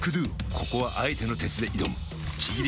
ここはあえての鉄で挑むちぎり